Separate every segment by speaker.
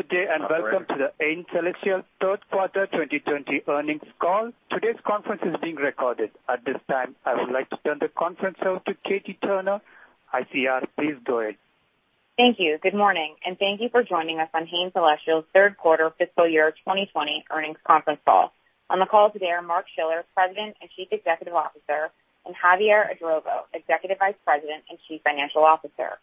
Speaker 1: Good day, and welcome to The Hain Celestial third quarter 2020 earnings call. Today's conference is being recorded. At this time, I would like to turn the conference over to Katie Turner, ICR. Please go ahead.
Speaker 2: Thank you. Good morning, and thank you for joining us on Hain Celestial's third quarter fiscal year 2020 earnings conference call. On the call today are Mark Schiller, President and Chief Executive Officer, and Javier Idrovo, Executive Vice President and Chief Financial Officer.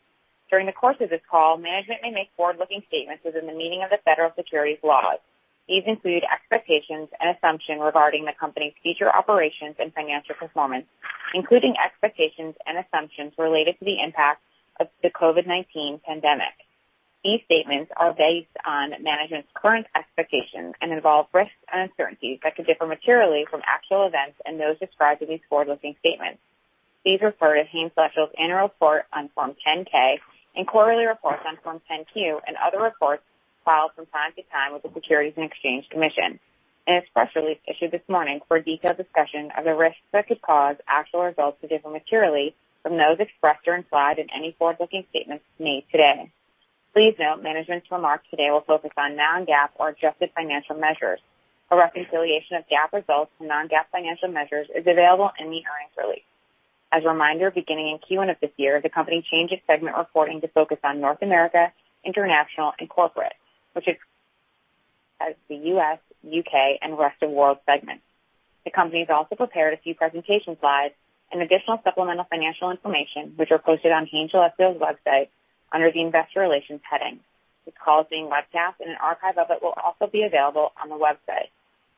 Speaker 2: During the course of this call, management may make forward-looking statements within the meaning of the federal securities laws. These include expectations and assumption regarding the company's future operations and financial performance, including expectations and assumptions related to the impact of the COVID-19 pandemic. These statements are based on management's current expectations and involve risks and uncertainties that could differ materially from actual events and those described in these forward-looking statements. Please refer to Hain Celestial's annual report on Form 10-K and quarterly reports on Form 10-Q and other reports filed from time to time with the Securities and Exchange Commission, and its press release issued this morning for a detailed discussion of the risks that could cause actual results to differ materially from those expressed or implied in any forward-looking statements made today. Please note management's remarks today will focus on non-GAAP or adjusted financial measures. A reconciliation of GAAP results to non-GAAP financial measures is available in the earnings release. As a reminder, beginning in Q1 of this year, the company changed its segment reporting to focus on North America, International, and Corporate, which is as the U.S., U.K., and rest of world segments. The company's also prepared a few presentation slides and additional supplemental financial information, which are posted on Hain Celestial's website under the Investor Relations heading. This call is being webcast and an archive of it will also be available on the website.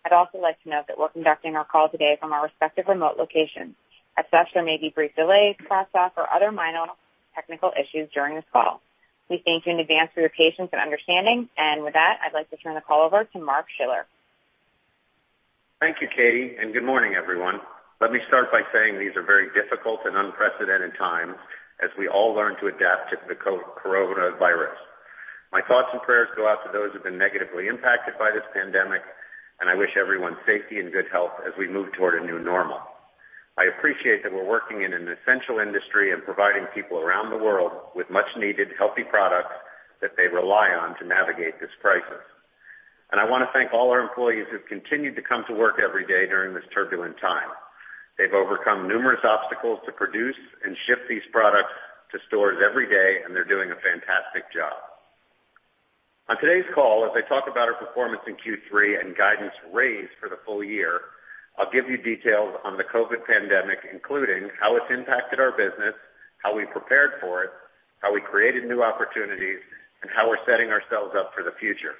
Speaker 2: I'd also like to note that we're conducting our call today from our respective remote locations. As such, there may be brief delays, cross-talk, or other minor technical issues during this call. We thank you in advance for your patience and understanding. With that, I'd like to turn the call over to Mark Schiller.
Speaker 3: Thank you, Katie, and good morning, everyone. Let me start by saying these are very difficult and unprecedented times as we all learn to adapt to the coronavirus. My thoughts and prayers go out to those who've been negatively impacted by this pandemic, and I wish everyone safety and good health as we move toward a new normal. I appreciate that we're working in an essential industry and providing people around the world with much-needed healthy products that they rely on to navigate this crisis. I want to thank all our employees who've continued to come to work every day during this turbulent time. They've overcome numerous obstacles to produce and ship these products to stores every day, and they're doing a fantastic job. On today's call, as I talk about our performance in Q3 and guidance raised for the full year, I'll give you details on the COVID pandemic, including how it's impacted our business, how we prepared for it, how we created new opportunities, and how we're setting ourselves up for the future.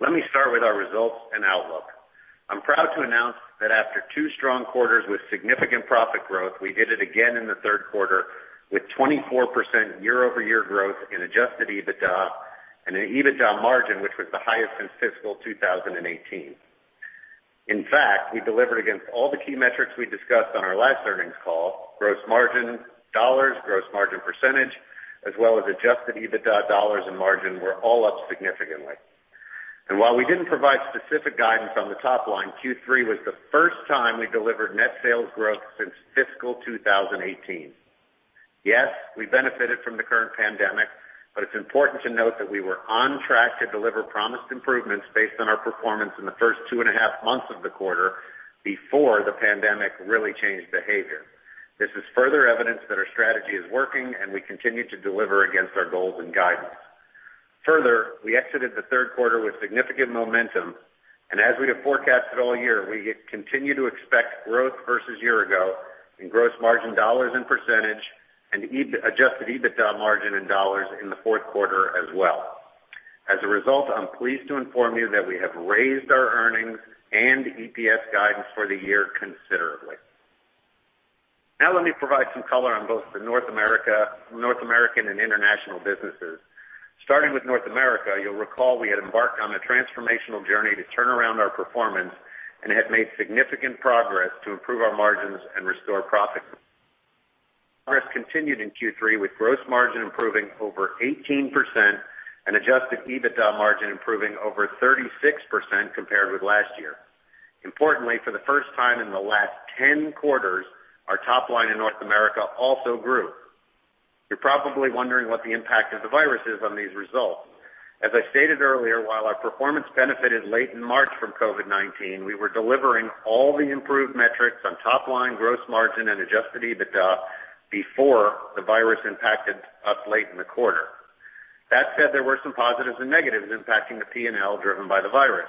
Speaker 3: Let me start with our results and outlook. I'm proud to announce that after two strong quarters with significant profit growth, we did it again in the third quarter with 24% year-over-year growth in adjusted EBITDA and an EBITDA margin, which was the highest since fiscal 2018. In fact, we delivered against all the key metrics we discussed on our last earnings call. Gross margin dollars, gross margin percentage, as well as adjusted EBITDA dollars and margin were all up significantly. While we didn't provide specific guidance on the top line, Q3 was the first time we delivered net sales growth since fiscal 2018. We benefited from the current pandemic, but it's important to note that we were on track to deliver promised improvements based on our performance in the first 2.5 months of the quarter before the pandemic really changed behavior. This is further evidence that our strategy is working, and we continue to deliver against our goals and guidance. We exited the third quarter with significant momentum, and as we have forecasted all year, we continue to expect growth versus year-ago in gross margin dollars and percentage and adjusted EBITDA margin in dollars in the fourth quarter as well. As a result, I'm pleased to inform you that we have raised our earnings and EPS guidance for the year considerably. Now let me provide some color on both the North American and International businesses. Starting with North America, you'll recall we had embarked on a transformational journey to turn around our performance and had made significant progress to improve our margins and restore profit. Progress continued in Q3 with gross margin improving over 18% and adjusted EBITDA margin improving over 36% compared with last year. Importantly, for the first time in the last 10 quarters, our top line in North America also grew. You're probably wondering what the impact of the virus is on these results. As I stated earlier, while our performance benefited late in March from COVID-19, we were delivering all the improved metrics on top line gross margin and adjusted EBITDA before the virus impacted us late in the quarter. That said, there were some positives and negatives impacting the P&L driven by the virus.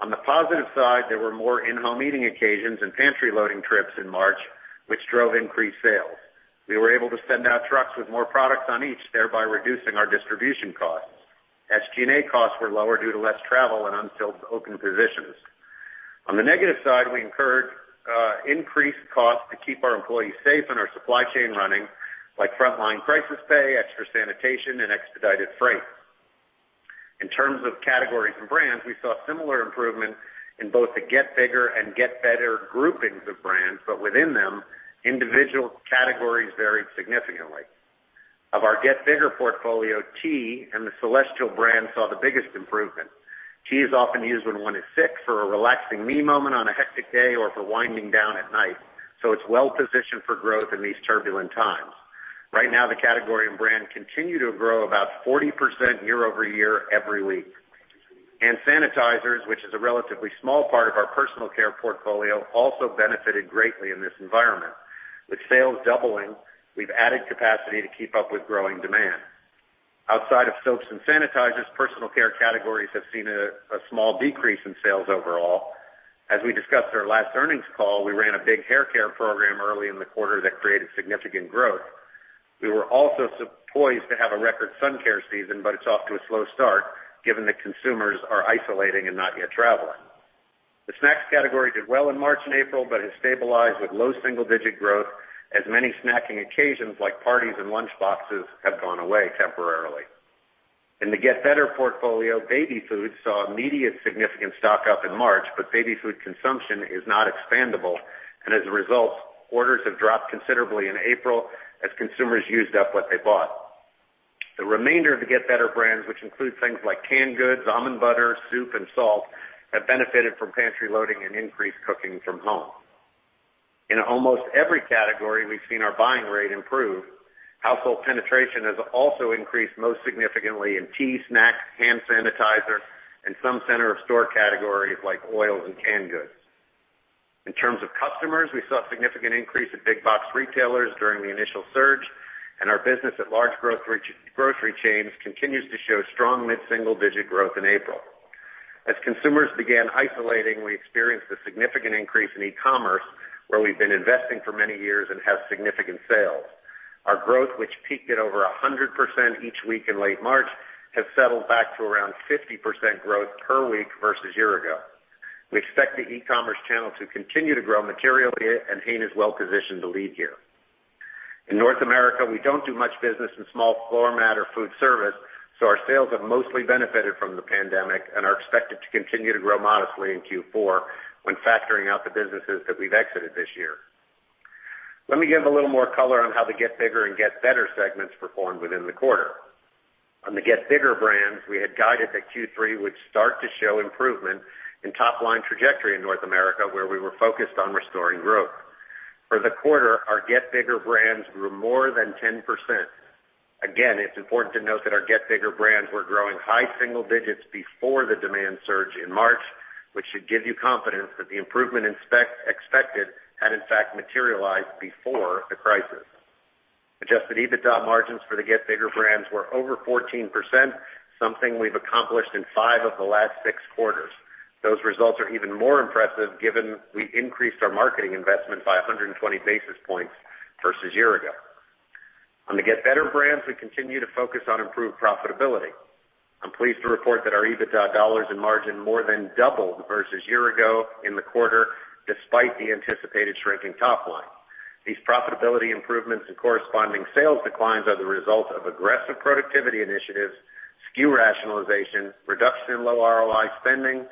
Speaker 3: On the positive side, there were more in-home eating occasions and pantry loading trips in March, which drove increased sales. We were able to send out trucks with more products on each, thereby reducing our distribution costs. SG&A costs were lower due to less travel and unfilled open positions. On the negative side, we incurred increased costs to keep our employees safe and our supply chain running, like frontline crisis pay, extra sanitation, and expedited freight. In terms of categories and brands, we saw similar improvement in both the Get Bigger and Get Better groupings of brands, but within them, individual categories varied significantly. Of our Get Bigger portfolio, tea and the Celestial brand saw the biggest improvement. Tea is often used when one is sick for a relaxing me moment on a hectic day or for winding down at night, so it's well-positioned for growth in these turbulent times. Right now, the category and brand continue to grow about 40% year-over-year every week. Sanitizers, which is a relatively small part of our personal-care portfolio, also benefited greatly in this environment. With sales doubling, we've added capacity to keep up with growing demand. Outside of soaps and sanitizers, personal-care categories have seen a small decrease in sales overall. As we discussed in our last earnings call, we ran a big hair-care program early in the quarter that created significant growth. We were also poised to have a record sun-care season, but it's off to a slow start given that consumers are isolating and not yet traveling. The snacks category did well in March and April but has stabilized with low-single-digit growth as many snacking occasions like parties and lunchboxes have gone away temporarily. In the Get Better portfolio, baby food saw immediate significant stock-up in March, but baby food consumption is not expandable, and as a result, orders have dropped considerably in April as consumers used up what they bought. The remainder of the Get Better brands, which include things like canned goods, almond butter, soup, and salt, have benefited from pantry loading and increased cooking from home. In almost every category, we've seen our buying rate improve. Household penetration has also increased most significantly in tea, snacks, hand sanitizer, and some center-of-store categories like oils and canned goods. In terms of customers, we saw a significant increase in big box retailers during the initial surge, and our business at large grocery chains continues to show strong mid-single-digit growth in April. As consumers began isolating, we experienced a significant increase in e-commerce, where we've been investing for many years and have significant sales. Our growth, which peaked at over 100% each week in late March, has settled back to around 50% growth per week versus year-ago. We expect the e-commerce channel to continue to grow materially, and Hain is well positioned to lead here. In North America, we don't do much business in small format or foodservice, so our sales have mostly benefited from the pandemic and are expected to continue to grow modestly in Q4 when factoring out the businesses that we've exited this year. Let me give a little more color on how the Get Bigger and Get Better segments performed within the quarter. On the Get Bigger brands, we had guided that Q3 would start to show improvement in top-line trajectory in North America, where we were focused on restoring growth. For the quarter, our Get Bigger brands grew more than 10%. Again, it's important to note that our Get Bigger brands were growing high single digits before the demand surge in March, which should give you confidence that the improvement expected had in fact materialized before the crisis. Adjusted EBITDA margins for the Get Bigger brands were over 14%, something we've accomplished in five of the last six quarters. Those results are even more impressive given we increased our marketing investment by 120 basis points versus year ago. On the Get Better brands, we continue to focus on improved profitability. I'm pleased to report that our EBITDA dollars and margin more than doubled versus year ago in the quarter, despite the anticipated shrinking top line. These profitability improvements and corresponding sales declines are the result of aggressive productivity initiatives, SKU rationalization, reduction in low ROI spending,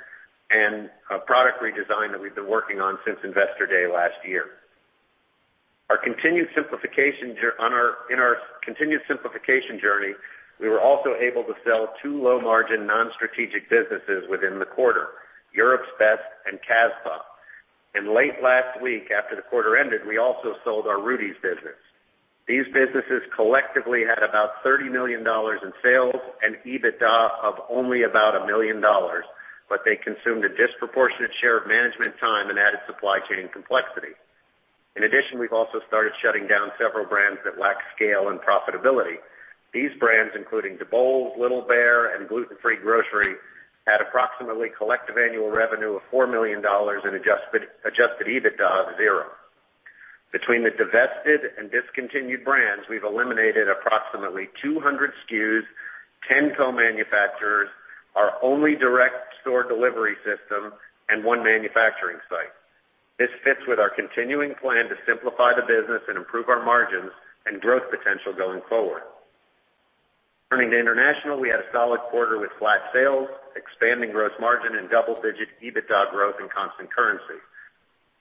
Speaker 3: and a product redesign that we've been working on since Investor Day last year. In our continued simplification journey, we were also able to sell two low-margin, non-strategic businesses within the quarter, Europe's Best and Casbah. Late last week, after the quarter ended, we also sold our Rudi's business. These businesses collectively had about $30 million in sales and EBITDA of only about $1 million, but they consumed a disproportionate share of management time and added supply chain complexity. In addition, we've also started shutting down several brands that lack scale and profitability. These brands, including DeBoles, Little Bear, and Gluten Free Grocery, had approximately collective annual revenue of $4 million in adjusted EBITDA of zero. Between the divested and discontinued brands, we've eliminated approximately 200 SKUs, 10 co-manufacturers, our only direct store delivery system, and one manufacturing site. This fits with our continuing plan to simplify the business and improve our margins and growth potential going forward. Turning to international, we had a solid quarter with flat sales, expanding gross margin, and double-digit EBITDA growth in constant currency.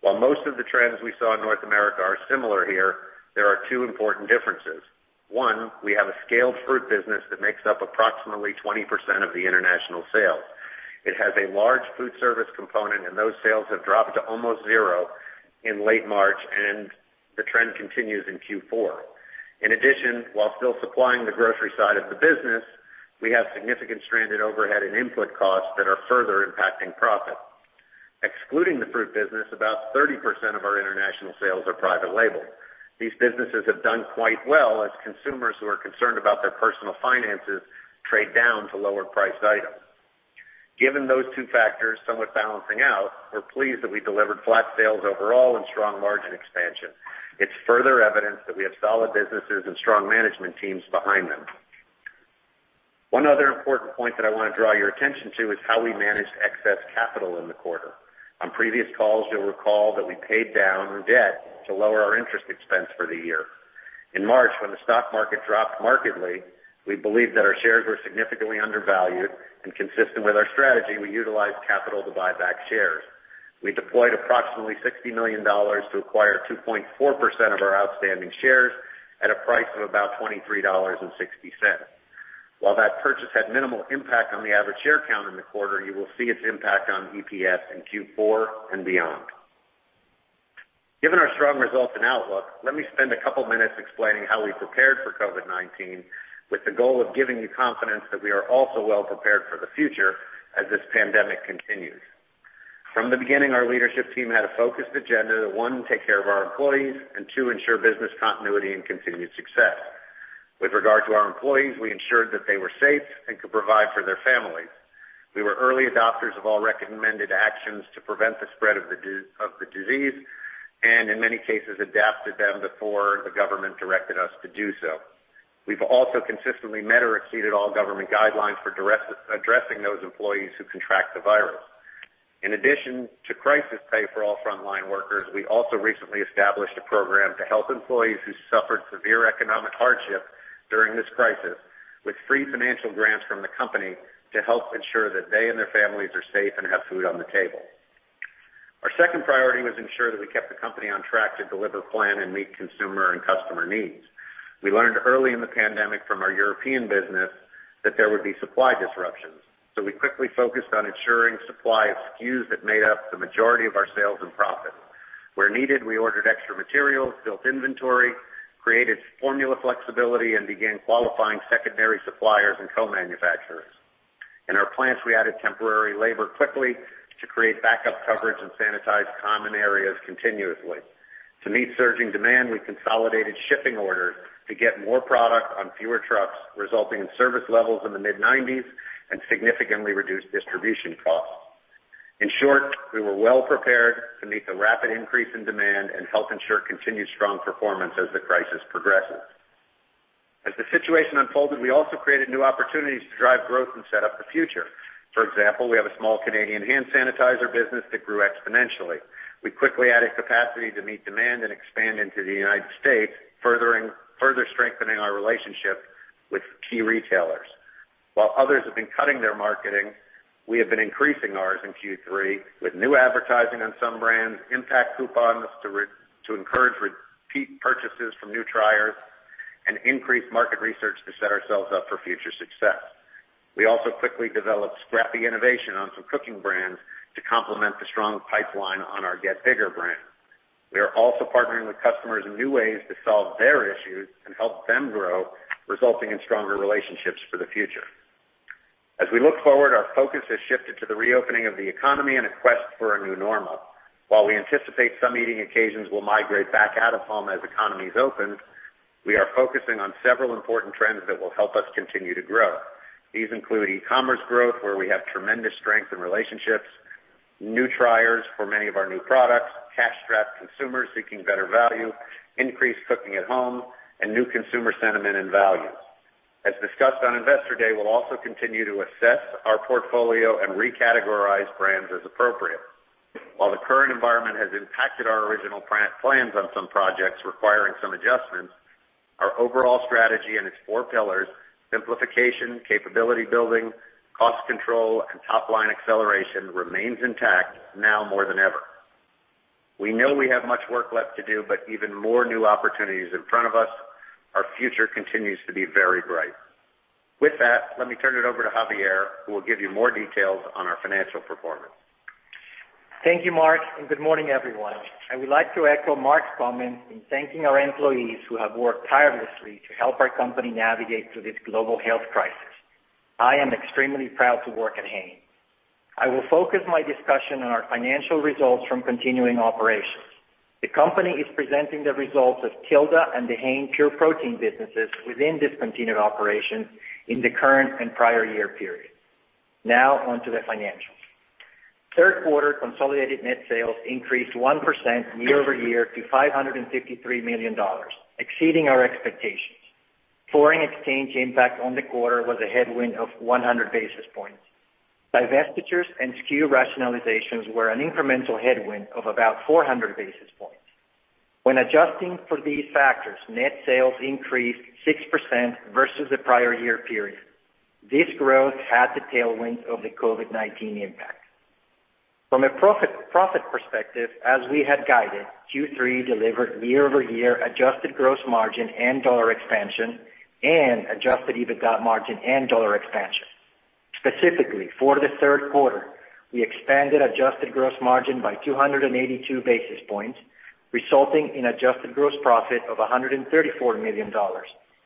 Speaker 3: While most of the trends we saw in North America are similar here, there are two important differences. One, we have a scaled fruit business that makes up approximately 20% of the international sales. It has a large foodservice component, and those sales have dropped to almost zero in late March, and the trend continues in Q4. In addition, while still supplying the grocery side of the business, we have significant stranded overhead and input costs that are further impacting profit. Excluding the fruit business, about 30% of our international sales are private label. These businesses have done quite well as consumers who are concerned about their personal finances trade down to lower-priced items. Given those two factors somewhat balancing out, we're pleased that we delivered flat sales overall and strong margin expansion. It's further evidence that we have solid businesses and strong management teams behind them. One other important point that I want to draw your attention to is how we managed excess capital in the quarter. On previous calls, you'll recall that we paid down debt to lower our interest expense for the year. In March, when the stock market dropped markedly, we believed that our shares were significantly undervalued, and consistent with our strategy, we utilized capital to buy back shares. We deployed approximately $60 million to acquire 2.4% of our outstanding shares at a price of about $23.60. While that purchase had minimal impact on the average share count in the quarter, you will see its impact on EPS in Q4 and beyond. Given our strong results and outlook, let me spend a couple of minutes explaining how we prepared for COVID-19, with the goal of giving you confidence that we are also well prepared for the future as this pandemic continues. From the beginning, our leadership team had a focused agenda to, one, take care of our employees, and two, ensure business continuity and continued success. With regard to our employees, we ensured that they were safe and could provide for their families. We were early adopters of all recommended actions to prevent the spread of the disease and, in many cases, adapted them before the government directed us to do so. We've also consistently met or exceeded all government guidelines for addressing those employees who contract the virus. In addition to crisis pay for all frontline workers, we also recently established a program to help employees who suffered severe economic hardship during this crisis with free financial grants from the company to help ensure that they and their families are safe and have food on the table. Our second priority was ensure that we kept the company on track to deliver plan and meet consumer and customer needs. We learned early in the pandemic from our European business that there would be supply disruptions, so we quickly focused on ensuring supply of SKUs that made up the majority of our sales and profit. Where needed, we ordered extra materials, built inventory, created formula flexibility, and began qualifying secondary suppliers and co-manufacturers. In our plants, we added temporary labor quickly to create backup coverage and sanitize common areas continuously. To meet surging demand, we consolidated shipping orders to get more product on fewer trucks, resulting in service levels in the mid-90s and significantly reduced distribution costs. In short, we were well prepared to meet the rapid increase in demand and help ensure continued strong performance as the crisis progresses. As the situation unfolded, we also created new opportunities to drive growth and set up the future. For example, we have a small Canadian hand sanitizer business that grew exponentially. We quickly added capacity to meet demand and expand into the United States, further strengthening our relationship with key retailers. While others have been cutting their marketing, we have been increasing ours in Q3 with new advertising on some brands, in-pack coupons to encourage repeat purchases from new triers, and increased market research to set ourselves up for future success. We also quickly developed scrappy innovation on some cooking brands to complement the strong pipeline on our Get Bigger. We are also partnering with customers in new ways to solve their issues and help them grow, resulting in stronger relationships for the future. As we look forward, our focus has shifted to the reopening of the economy and a quest for a new normal. While we anticipate some eating occasions will migrate back out of home as economies open, we are focusing on several important trends that will help us continue to grow. These include e-commerce growth, where we have tremendous strength in relationships, new triers for many of our new products, cash-strapped consumers seeking better value, increased cooking at home, and new consumer sentiment and values. As discussed on Investor Day, we'll also continue to assess our portfolio and re-categorize brands as appropriate. While the current environment has impacted our original plans on some projects, requiring some adjustments, our overall strategy and its four pillars, simplification, capability building, cost control, and top-line acceleration, remains intact now more than ever. We know we have much work left to do, but even more new opportunities in front of us. Our future continues to be very bright. With that, let me turn it over to Javier, who will give you more details on our financial performance.
Speaker 4: Thank you, Mark, and good morning, everyone. I would like to echo Mark's comments in thanking our employees who have worked tirelessly to help our company navigate through this global health crisis. I am extremely proud to work at Hain. I will focus my discussion on our financial results from continuing operations. The company is presenting the results of Tilda and the Hain Pure Protein businesses within discontinued operations in the current and prior year period. Now on to the financials. Third quarter consolidated net sales increased 1% year-over-year to $553 million, exceeding our expectations. Foreign exchange impact on the quarter was a headwind of 100 basis points. Divestitures and SKU rationalizations were an incremental headwind of about 400 basis points. When adjusting for these factors, net sales increased 6% versus the prior year period. This growth had the tailwind of the COVID-19 impact. From a profit perspective, as we had guided, Q3 delivered year-over-year adjusted gross margin and dollar expansion and adjusted EBITDA margin and dollar expansion. Specifically, for the third quarter, we expanded adjusted gross margin by 282 basis points, resulting in adjusted gross profit of $134 million,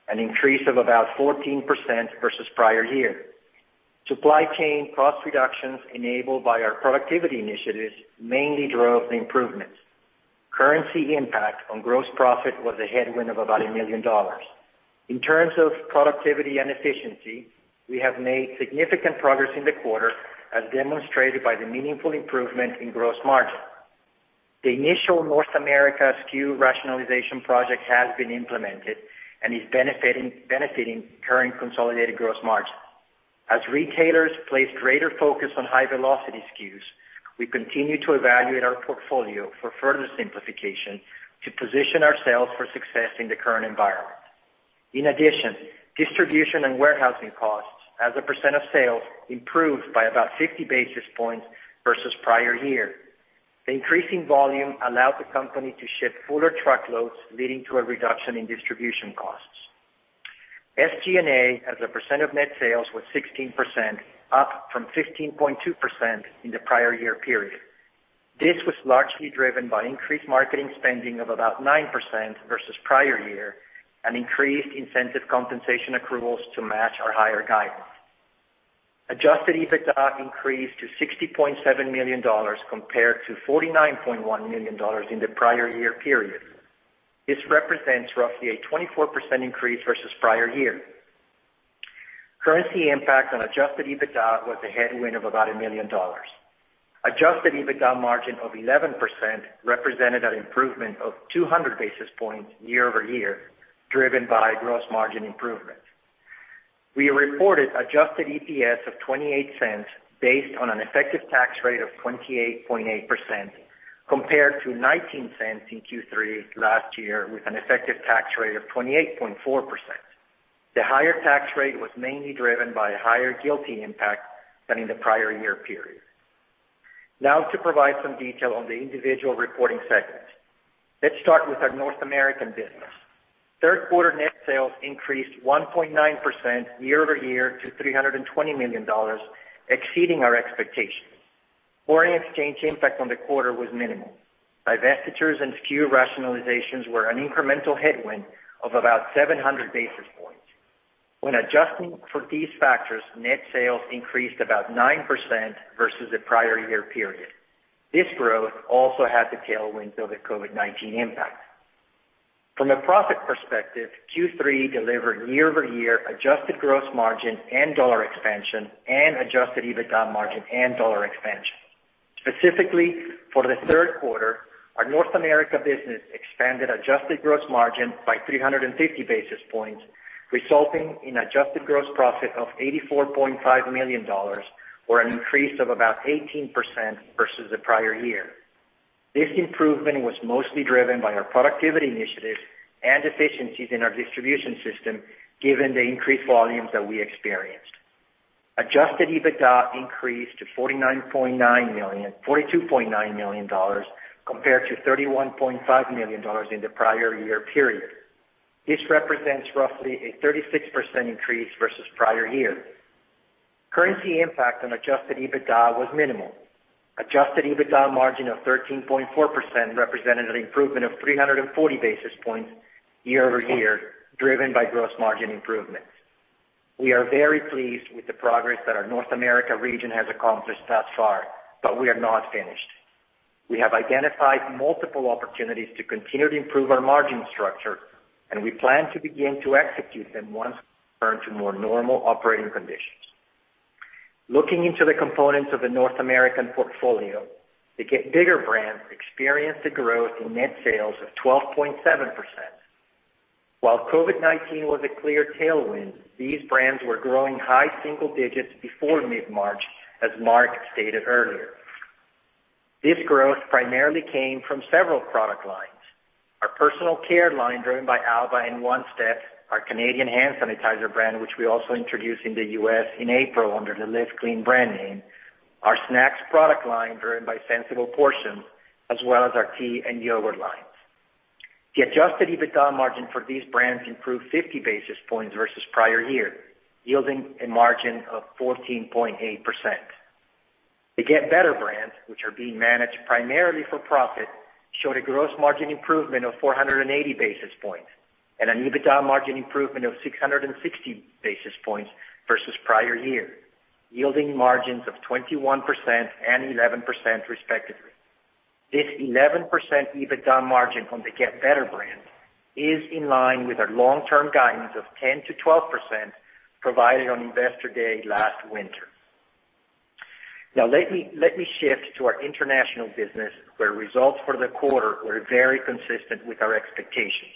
Speaker 4: an increase of about 14% versus prior year. Supply chain cost reductions enabled by our productivity initiatives mainly drove the improvements. Currency impact on gross profit was a headwind of about $1 million. In terms of productivity and efficiency, we have made significant progress in the quarter, as demonstrated by the meaningful improvement in gross margin. The initial North America SKU rationalization project has been implemented and is benefiting current consolidated gross margin. As retailers place greater focus on high-velocity SKU, we continue to evaluate our portfolio for further simplification to position ourselves for success in the current environment. In addition, distribution and warehousing costs as a percent of sales improved by about 50 basis points versus prior year. The increasing volume allowed the company to ship fuller truckloads, leading to a reduction in distribution costs. SG&A as a percent of net sales was 16%, up from 15.2% in the prior year period. This was largely driven by increased marketing spending of about 9% versus prior year and increased incentive compensation accruals to match our higher guidance. Adjusted EBITDA increased to $60.7 million compared to $49.1 million in the prior year period. This represents roughly a 24% increase versus prior year. Currency impact on adjusted EBITDA was a headwind of about $1 million. Adjusted EBITDA margin of 11% represented an improvement of 200 basis points year-over-year, driven by gross margin improvements. We reported adjusted EPS of $0.28 based on an effective tax rate of 28.8%, compared to $0.19 in Q3 last year with an effective tax rate of 28.4%. The higher tax rate was mainly driven by a higher GILTI impact than in the prior year period. To provide some detail on the individual reporting segments. Let's start with our North American business. Third quarter net sales increased 1.9% year-over-year to $320 million, exceeding our expectations. Foreign exchange impact on the quarter was minimal. Divestitures and SKU rationalizations were an incremental headwind of about 700 basis points. When adjusting for these factors, net sales increased about 9% versus the prior year period. This growth also had the tailwinds of the COVID-19 impact. From a profit perspective, Q3 delivered year-over-year adjusted gross margin and dollar expansion, and adjusted EBITDA margin and dollar expansion. Specifically, for the third quarter, our North America business expanded adjusted gross margin by 350 basis points, resulting in adjusted gross profit of $84.5 million, or an increase of about 18% versus the prior year. This improvement was mostly driven by our productivity initiatives and efficiencies in our distribution system, given the increased volumes that we experienced. Adjusted EBITDA increased to $42.9 million compared to $31.5 million in the prior year period. This represents roughly a 36% increase versus prior year. Currency impact on adjusted EBITDA was minimal. Adjusted EBITDA margin of 13.4% represented an improvement of 340 basis points year-over-year, driven by gross margin improvements. We are very pleased with the progress that our North America region has accomplished thus far, but we are not finished. We have identified multiple opportunities to continue to improve our margin structure, and we plan to begin to execute them once we return to more normal operating conditions. Looking into the components of the North American portfolio, the Get Bigger brands experienced a growth in net sales of 12.7%. While COVID-19 was a clear tailwind, these brands were growing high single digits before mid-March, as Mark stated earlier. This growth primarily came from several product lines. Our personal-care line, driven by Alba and One Step, our Canadian hand sanitizer brand, which we also introduced in the U.S. in April under the Live Clean brand name, our snacks product line, driven by Sensible Portions, as well as our tea and yogurt lines. The adjusted EBITDA margin for these brands improved 50 basis points versus prior year, yielding a margin of 14.8%. The Get Better brands, which are being managed primarily for profit, showed a gross margin improvement of 480 basis points and an EBITDA margin improvement of 660 basis points versus prior year, yielding margins of 21% and 11%, respectively. This 11% EBITDA margin from the Get Better brand is in line with our long-term guidance of 10%-12% provided on Investor Day last winter. Let me shift to our international business, where results for the quarter were very consistent with our expectations.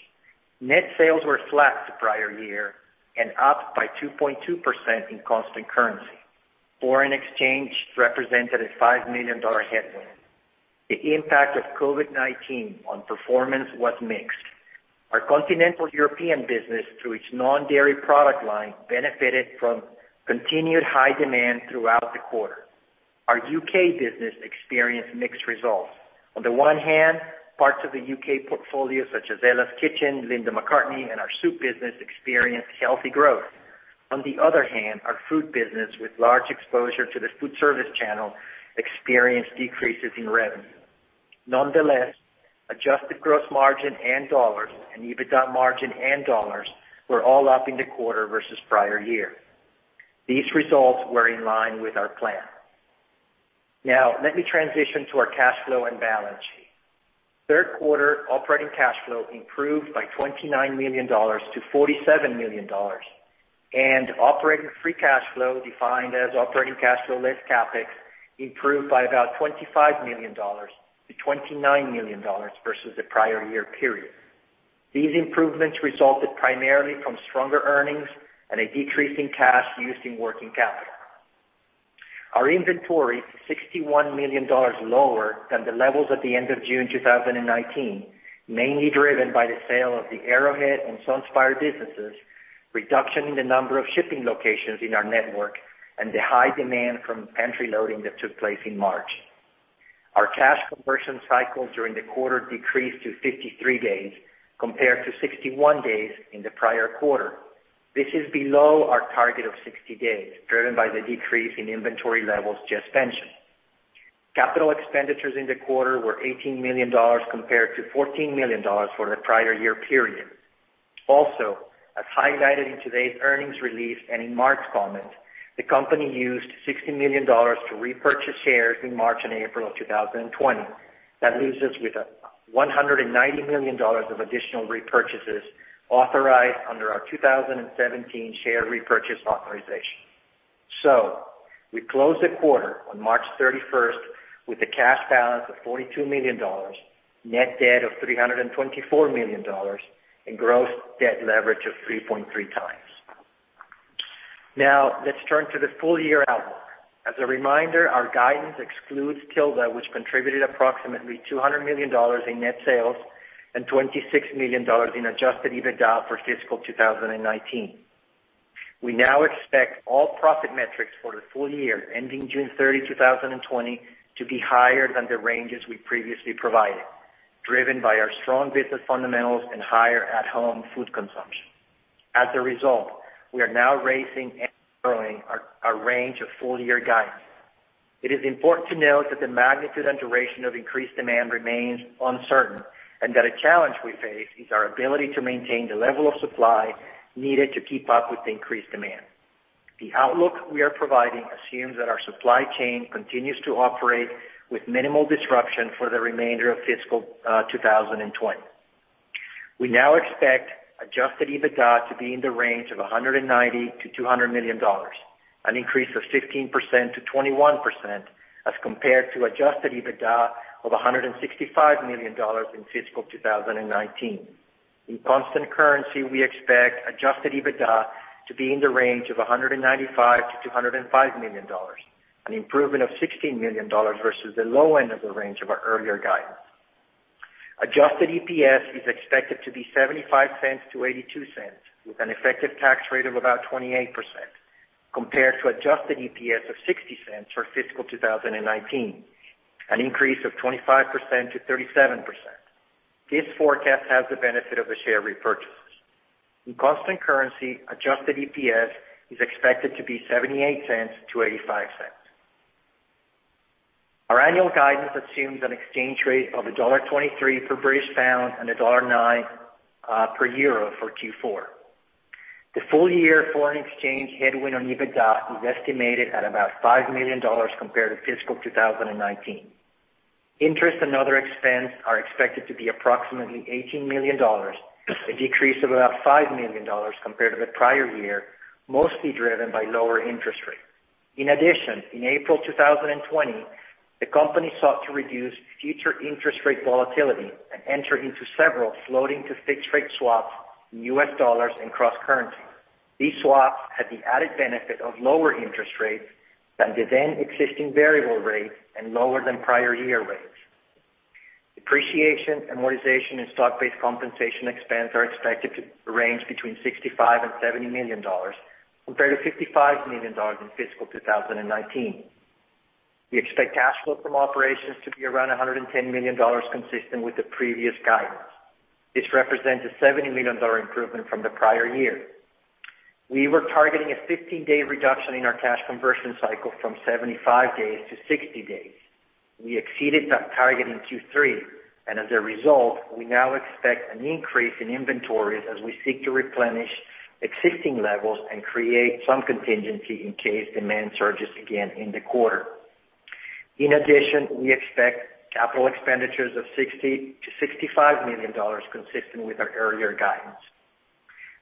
Speaker 4: Net sales were flat to prior year and up by 2.2% in constant currency. Foreign exchange represented a $5 million headwind. The impact of COVID-19 on performance was mixed. Our Continental European business, through its non-dairy product line, benefited from continued high demand throughout the quarter. Our U.K. business experienced mixed results. On the one hand, parts of the U.K. portfolio such as Ella's Kitchen, Linda McCartney, and our soup business experienced healthy growth. On the other hand, our food business with large exposure to the foodservice channel experienced decreases in revenue. Nonetheless, adjusted gross margin and dollars, and EBITDA margin and dollars were all up in the quarter versus prior year. These results were in line with our plan. Let me transition to our cash flow and balance sheet. Third-quarter operating cash flow improved by $29 million to $47 million, and operating free cash flow, defined as operating cash flow less CapEx, improved by about $25 million to $29 million versus the prior-year period. These improvements resulted primarily from stronger earnings and a decrease in cash used in working capital. Our inventory is $61 million lower than the levels at the end of June 2019, mainly driven by the sale of the Arrowhead and SunSpire businesses, reduction in the number of shipping locations in our network, and the high demand from pantry loading that took place in March. Our cash conversion cycle during the quarter decreased to 53 days compared to 61 days in the prior quarter. This is below our target of 60 days, driven by the decrease in inventory levels just mentioned. Capital expenditures in the quarter were $18 million compared to $14 million for the prior-year period. Also, as highlighted in today's earnings release and in Mark's comments, the company used $60 million to repurchase shares in March and April of 2020. That leaves us with $190 million of additional repurchases authorized under our 2017 share repurchase authorization. We closed the quarter on March 31st with a cash balance of $42 million, net debt of $324 million, and gross debt leverage of 3.3x. Let's turn to the full-year outlook. As a reminder, our guidance excludes Tilda, which contributed approximately $200 million in net sales and $26 million in adjusted EBITDA for fiscal 2019. We now expect all profit metrics for the full year ending June 30, 2020, to be higher than the ranges we previously provided, driven by our strong business fundamentals and higher at-home food consumption. As a result, we are now raising and growing our range of full-year guidance. It is important to note that the magnitude and duration of increased demand remains uncertain, and that a challenge we face is our ability to maintain the level of supply needed to keep up with the increased demand. The outlook we are providing assumes that our supply chain continues to operate with minimal disruption for the remainder of fiscal 2020. We now expect adjusted EBITDA to be in the range of $190-$200 million, an increase of 15%-21% as compared to adjusted EBITDA of $165 million in fiscal 2019. In constant currency, we expect adjusted EBITDA to be in the range of $195-$205 million, an improvement of $16 million versus the low end of the range of our earlier guidance. Adjusted EPS is expected to be $0.75-$0.82, with an effective tax rate of about 28%, compared to adjusted EPS of $0.60 for fiscal 2019, an increase of 25%-37%. This forecast has the benefit of the share repurchases. In constant currency, adjusted EPS is expected to be $0.78-$0.85. Our annual guidance assumes an exchange rate of $1.23 per British pound and $1.09 per euro for Q4. The full-year foreign exchange headwind on EBITDA is estimated at about $5 million compared to fiscal 2019. Interest and other expense are expected to be approximately $18 million, a decrease of about $5 million compared to the prior year, mostly driven by lower interest rates. In addition, in April 2020, the company sought to reduce future interest rate volatility and enter into several floating-to-fixed rate swaps in U.S. dollars and cross-currency. These swaps had the added benefit of lower interest rates than the then existing variable rate and lower than prior year rates. Depreciation, amortization, and stock-based compensation expense are expected to range between $65 million and $70 million, compared to $55 million in fiscal 2019. We expect cash flow from operations to be around $110 million, consistent with the previous guidance. This represents a $70 million improvement from the prior year. We were targeting a 15-day reduction in our cash conversion cycle from 75 days-60 days. We exceeded that target in Q3. As a result, we now expect an increase in inventories as we seek to replenish existing levels and create some contingency in case demand surges again in the quarter. In addition, we expect capital expenditures of $60 million-$65 million, consistent with our earlier guidance.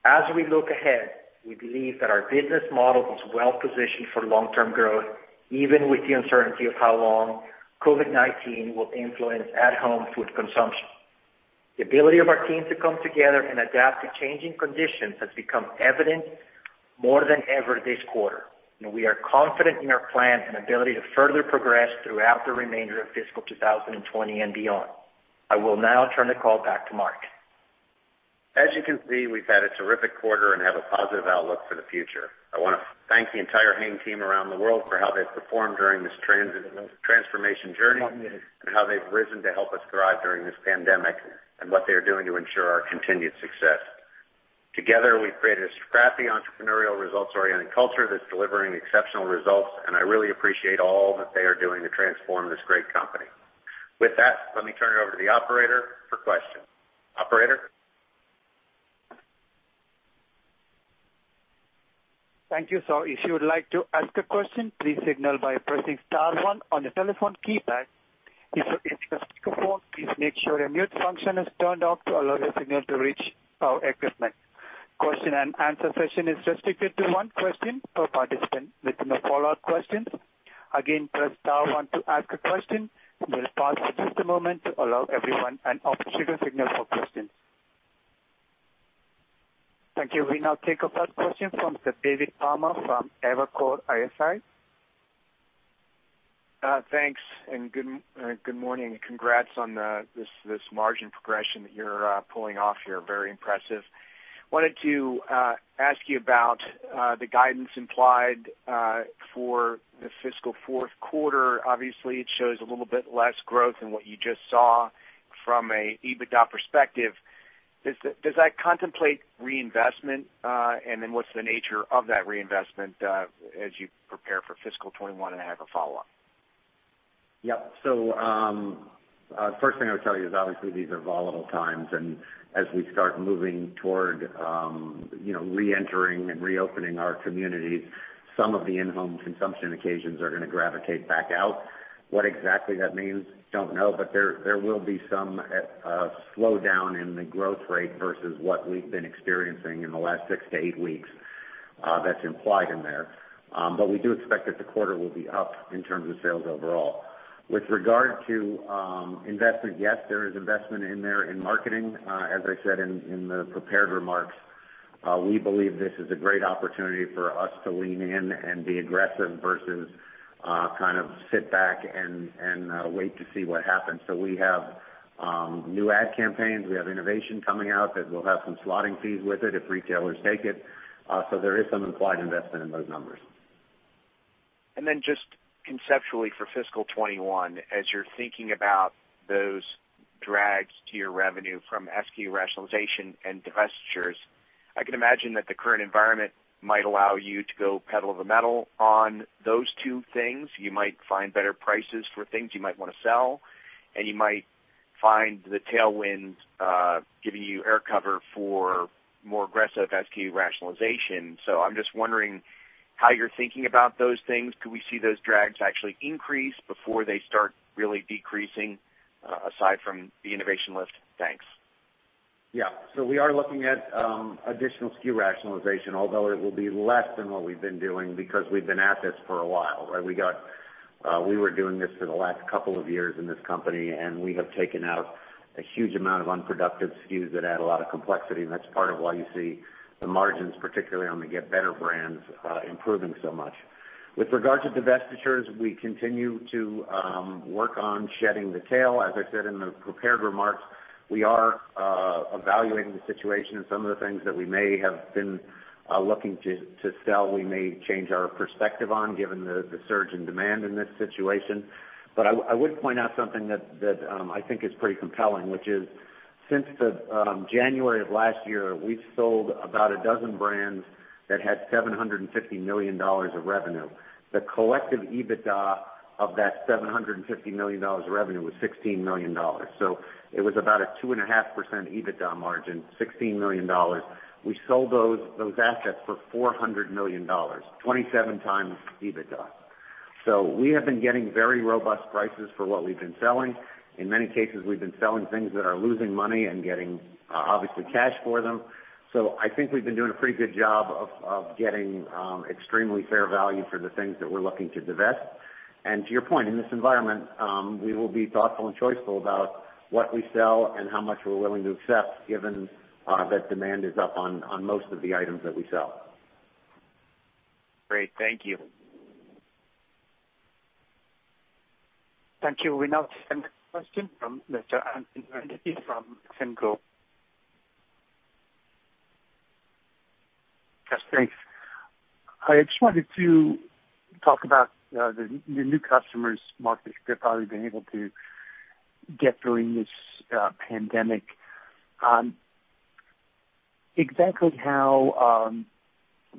Speaker 4: As we look ahead, we believe that our business model is well-positioned for long-term growth, even with the uncertainty of how long COVID-19 will influence at-home food consumption. The ability of our team to come together and adapt to changing conditions has become evident more than ever this quarter, and we are confident in our plan and ability to further progress throughout the remainder of fiscal 2020 and beyond. I will now turn the call back to Mark.
Speaker 3: As you can see, we've had a terrific quarter and have a positive outlook for the future. I want to thank the entire Hain team around the world for how they've performed during this transformation journey and how they've risen to help us thrive during this pandemic and what they are doing to ensure our continued success. Together, we've created a scrappy, entrepreneurial, results-oriented culture that's delivering exceptional results, and I really appreciate all that they are doing to transform this great company. With that, let me turn it over to the Operator for questions. Operator?
Speaker 1: Thank you. If you would like to ask a question, please signal by pressing star one on your telephone keypad. If you're in a speakerphone, please make sure your mute function is turned off to allow your signal to reach our equipment. Question and answer session is restricted to one question per participant with no follow-up questions. Again, press star one to ask a question. We'll pause just a moment to allow everyone an opportunity to signal for questions. Thank you. We now take a third question from David Palmer from Evercore ISI.
Speaker 5: Thanks, and good morning. Congrats on this margin progression that you're pulling off here. Very impressive. Wanted to ask you about the guidance implied for the fiscal fourth quarter. Obviously, it shows a little bit less growth than what you just saw from a EBITDA perspective. Does that contemplate reinvestment? What's the nature of that reinvestment as you prepare for fiscal 2021? I have a follow-up.
Speaker 3: Yep. First thing I would tell you is obviously these are volatile times, and as we start moving toward re-entering and reopening our communities, some of the in-home consumption occasions are going to gravitate back out. What exactly that means, don't know, but there will be some slowdown in the growth rate versus what we've been experiencing in the last six to eight weeks that's implied in there. We do expect that the quarter will be up in terms of sales overall. With regard to investment, yes, there is investment in there in marketing. As I said in the prepared remarks, we believe this is a great opportunity for us to lean in and be aggressive versus kind of sit back and wait to see what happens. We have new ad campaigns. We have innovation coming out that will have some slotting fees with it if retailers take it. There is some implied investment in those numbers.
Speaker 5: Just conceptually for fiscal 2021, as you're thinking about those drags to your revenue from SKU rationalization and divestitures, I can imagine that the current environment might allow you to go pedal to the metal on those two things. You might find better prices for things you might want to sell, and you might find the tailwind giving you air cover for more aggressive SKU rationalization. I'm just wondering how you're thinking about those things. Could we see those drags actually increase before they start really decreasing, aside from the innovation lift? Thanks.
Speaker 3: Yeah. We are looking at additional SKU rationalization, although it will be less than what we've been doing because we've been at this for a while, right? We were doing this for the last couple of years in this company, and we have taken out a huge amount of unproductive SKUs that add a lot of complexity, and that's part of why you see the margins, particularly on the Get Better brands, improving so much. With regard to divestitures, we continue to work on shedding the tail. As I said in the prepared remarks, we are evaluating the situation and some of the things that we may have been looking to sell, we may change our perspective on given the surge in demand in this situation. I would point out something that I think is pretty compelling, which is since January of last year, we've sold about a dozen brands that had $750 million of revenue. The collective EBITDA of that $750 million of revenue was $16 million. It was about a 2.5% EBITDA margin, $16 million. We sold those assets for $400 million, 27x EBITDA. We have been getting very robust prices for what we've been selling. In many cases, we've been selling things that are losing money and getting, obviously, cash for them. I think we've been doing a pretty good job of getting extremely fair value for the things that we're looking to divest. To your point, in this environment, we will be thoughtful and choiceful about what we sell and how much we're willing to accept, given that demand is up on most of the items that we sell.
Speaker 5: Great. Thank you.
Speaker 1: Thank you. We now take the next question from Mr. Anthony Vendetti from Maxim Group.
Speaker 6: Yes, thanks. I just wanted to talk about the new customers, Mark, that you've probably been able to get during this pandemic. Exactly how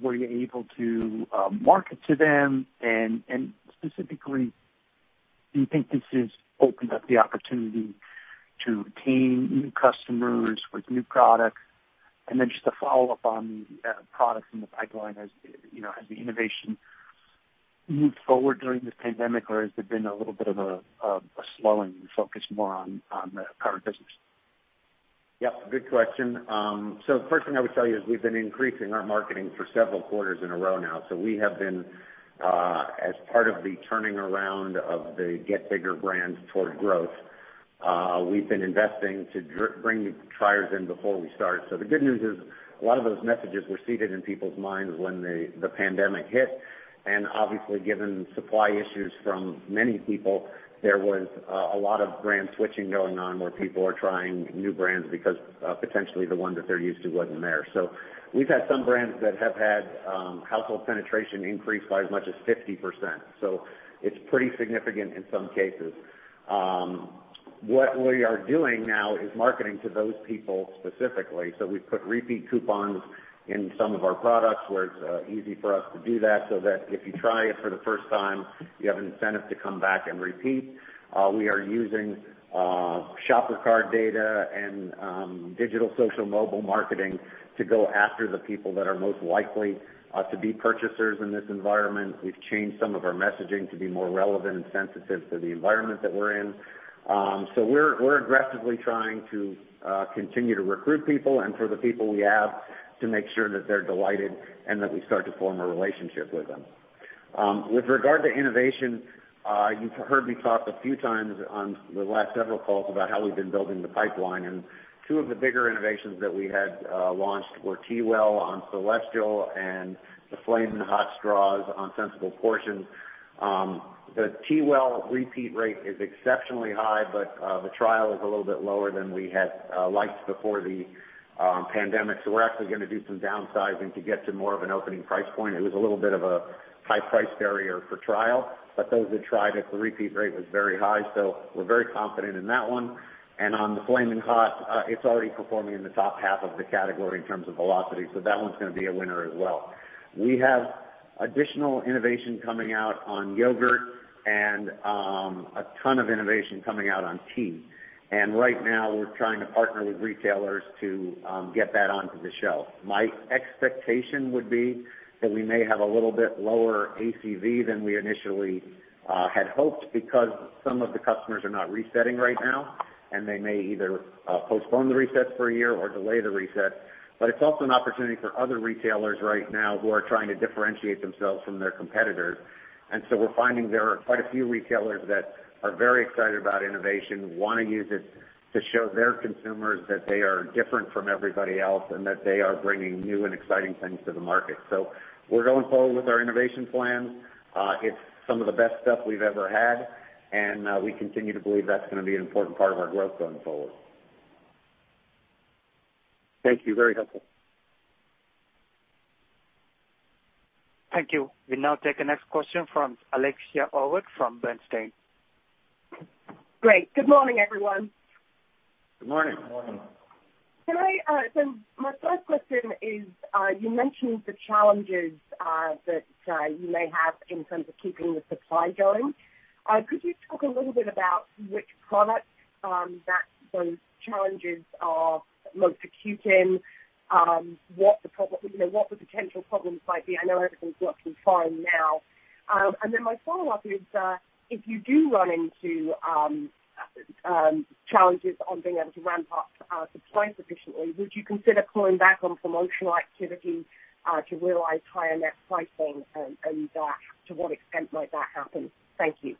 Speaker 6: were you able to market to them? Specifically, do you think this has opened up the opportunity to retain new customers with new products? Just a follow-up on the products in the pipeline, has the innovation moved forward during this pandemic, or has it been a little bit of a slowing and focused more on the current business?
Speaker 3: Yep, good question. First thing I would tell you is we've been increasing our marketing for several quarters in a row now. We have been, as part of the turning around of the Get Bigger brands toward growth, we've been investing to bring new triers in before we start. The good news is a lot of those messages were seeded in people's minds when the pandemic hit. Obviously, given supply issues from many people, there was a lot of brand switching going on where people are trying new brands because potentially the one that they're used to wasn't there. We've had some brands that have had household penetration increase by as much as 50%. It's pretty significant in some cases. What we are doing now is marketing to those people specifically. We've put repeat coupons in some of our products where it's easy for us to do that, so that if you try it for the first time, you have an incentive to come back and repeat. We are using shopper card data and digital social mobile marketing to go after the people that are most likely to be purchasers in this environment. We've changed some of our messaging to be more relevant and sensitive to the environment that we're in. We're aggressively trying to continue to recruit people and for the people we have, to make sure that they're delighted and that we start to form a relationship with them. With regard to innovation, you've heard me talk a few times on the last several calls about how we've been building the pipeline, and two of the bigger innovations that we had launched were TeaWell on Celestial and the Flamin' Hot straws on Sensible Portions. The TeaWell repeat rate is exceptionally high, but the trial is a little bit lower than we had liked before the pandemic. We're actually going to do some downsizing to get to more of an opening price point. It was a little bit of a high price barrier for trial, but those that tried it, the repeat rate was very high, so we're very confident in that one. On the Flamin' Hot, it's already performing in the top half of the category in terms of velocity, so that one's going to be a winner as well. We have additional innovation coming out on yogurt and a ton of innovation coming out on tea. Right now we're trying to partner with retailers to get that onto the shelf. My expectation would be that we may have a little bit lower ACV than we initially had hoped because some of the customers are not resetting right now, and they may either postpone the reset for a year or delay the reset. It's also an opportunity for other retailers right now who are trying to differentiate themselves from their competitors. We're finding there are quite a few retailers that are very excited about innovation, who want to use it to show their consumers that they are different from everybody else, and that they are bringing new and exciting things to the market. We're going forward with our innovation plans. It's some of the best stuff we've ever had, and we continue to believe that's going to be an important part of our growth going forward.
Speaker 6: Thank you. Very helpful.
Speaker 1: Thank you. We now take the next question from Alexia Howard from Bernstein.
Speaker 7: Great. Good morning, everyone.
Speaker 3: Good morning.
Speaker 4: Good morning.
Speaker 7: My first question is, you mentioned the challenges that you may have in terms of keeping the supply going. Could you talk a little bit about which products that those challenges are most acute in? What the potential problems might be? I know everything's working fine now. My follow-up is, if you do run into challenges on being able to ramp up supply sufficiently, would you consider pulling back on promotional activity to realize higher net pricing, and to what extent might that happen? Thank you.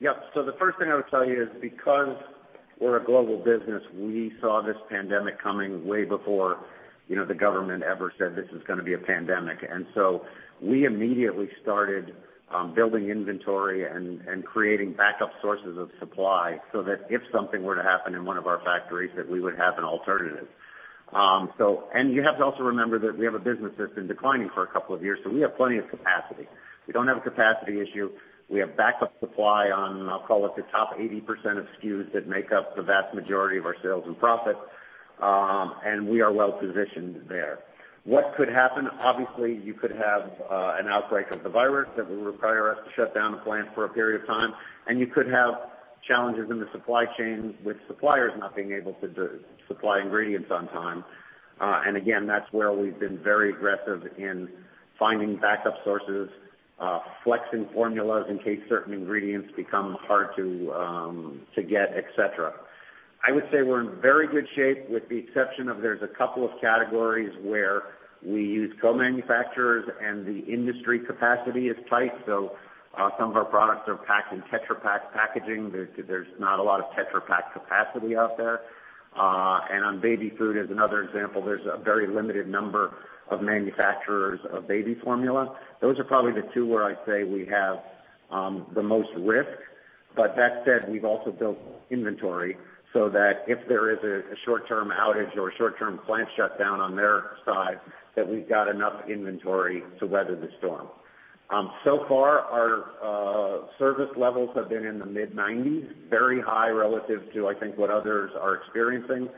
Speaker 3: The first thing I would tell you is because we're a global business, we saw this pandemic coming way before the government ever said this is gonna be a pandemic. We immediately started building inventory and creating backup sources of supply so that if something were to happen in one of our factories, that we would have an alternative. You have to also remember that we have a business that's been declining for a couple of years, we have plenty of capacity. We don't have a capacity issue. We have backup supply on, I'll call it, the top 80% of SKUs that make up the vast majority of our sales and profit. We are well-positioned there. What could happen? You could have an outbreak of the virus that will require us to shut down the plant for a period of time, and you could have challenges in the supply chain with suppliers not being able to supply ingredients on time. Again, that's where we've been very aggressive in finding backup sources, flexing formulas in case certain ingredients become hard to get, et cetera. I would say we're in very good shape with the exception of there's a couple of categories where we use co-manufacturers and the industry capacity is tight. Some of our products are packed in Tetra Pak packaging. There's not a lot of Tetra Pak capacity out there. On baby food as another example, there's a very limited number of manufacturers of baby formula. Those are probably the two where I'd say we have the most risk. That said, we've also built inventory so that if there is a short-term outage or a short-term plant shutdown on their side, that we've got enough inventory to weather the storm. Far our service levels have been in the mid-90s, very high relative to, I think, what others are experiencing.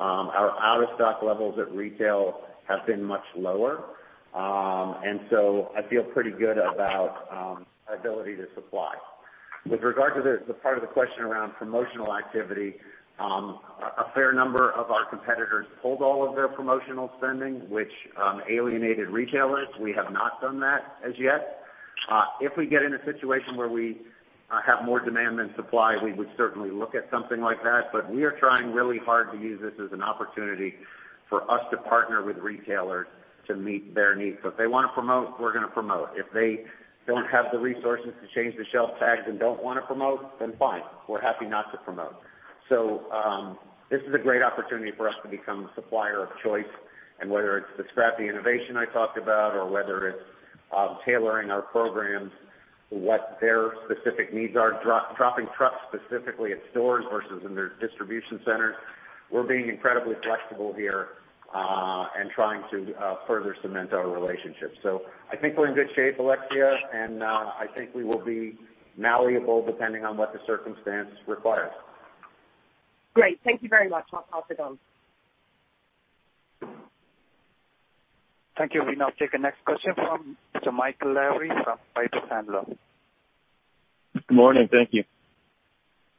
Speaker 3: Our out-of-stock levels at retail have been much lower. I feel pretty good about our ability to supply. With regard to the part of the question around promotional activity, a fair number of our competitors pulled all of their promotional spending, which alienated retailers. We have not done that as yet. If we get in a situation where we have more demand than supply, we would certainly look at something like that. We are trying really hard to use this as an opportunity for us to partner with retailers to meet their needs. If they wanna promote, we're gonna promote. If they don't have the resources to change the shelf tags and don't wanna promote, then fine, we're happy not to promote. This is a great opportunity for us to become the supplier of choice, and whether it's the scrappy innovation I talked about or whether it's tailoring our programs to what their specific needs are, dropping trucks specifically at stores versus in their distribution centers. We're being incredibly flexible here, and trying to further cement our relationships. I think we're in good shape, Alexia, and I think we will be malleable depending on what the circumstance requires.
Speaker 7: Great. Thank you very much. I'll pass it on.
Speaker 1: Thank you. We now take the next question from Mr. Michael Lavery from Piper Sandler.
Speaker 8: Good morning. Thank you.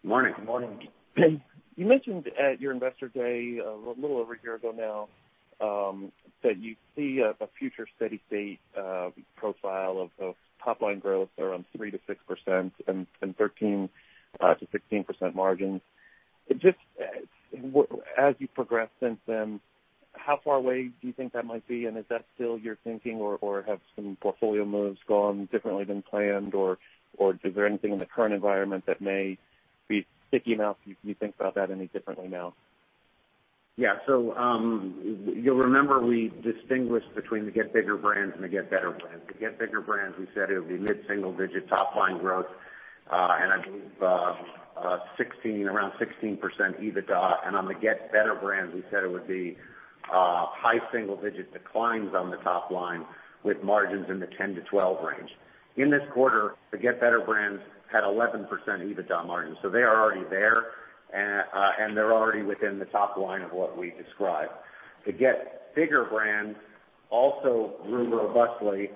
Speaker 3: Good morning.
Speaker 4: Good morning.
Speaker 8: You mentioned at your Investor Day a little over a year ago now, that you see a future steady state profile of top-line growth around 3%-6% and 13%-16% margins. As you progress since then how far away do you think that might be? And is that still your thinking, or have some portfolio moves gone differently than planned? Or is there anything in the current environment that may be sticky enough, you think about that any differently now?
Speaker 3: Yeah. You'll remember we distinguished between the Get Bigger brands and the Get Better brands. The Get Bigger brands, we said it would be mid-single digit top-line growth, and I believe around 16% EBITDA. On the Get Better brands, we said it would be high single-digit declines on the top line with margins in the 10%-12% range. In this quarter, the Get Better brands had 11% EBITDA margin, so they are already there, and they're already within the top line of what we described. The Get Bigger brands also grew robustly,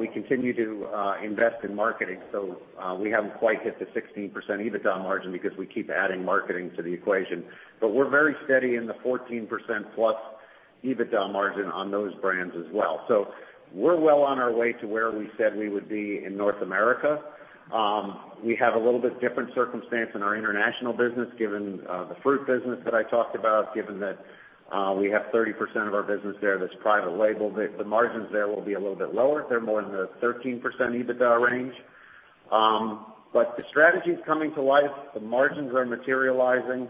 Speaker 3: we continue to invest in marketing, we haven't quite hit the 16% EBITDA margin because we keep adding marketing to the equation. We're very steady in the 14%+ EBITDA margin on those brands as well. We're well on our way to where we said we would be in North America. We have a little bit different circumstance in our international business, given the fruit business that I talked about, given that we have 30% of our business there that's private label. The margins there will be a little bit lower. They're more in the 13% EBITDA range. The strategy's coming to life, the margins are materializing,